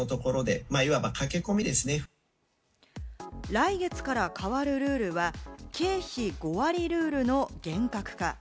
来月から変わるルールは、経費５割ルールの厳格化。